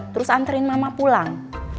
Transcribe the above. terus anterin mama pulang